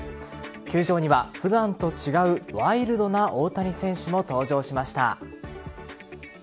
球場には普段と違うワイルドな大谷選手も登場しました。